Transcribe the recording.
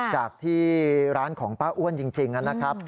จากที่ร้านของป้าอ้วนจริงนะครับ